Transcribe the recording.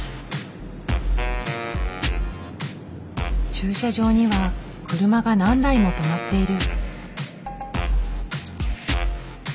駐車場には車が何台も止まっている。